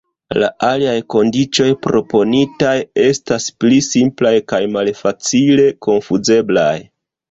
La aliaj kondiĉoj proponitaj estas pli simplaj kaj malfacile konfuzeblaj.